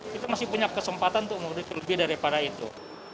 kita masih punya kesempatan untuk memberikan lebih daripada itu